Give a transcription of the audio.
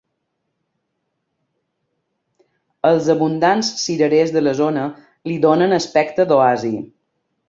Els abundants cirerers de la zona li donen aspecte d'oasi.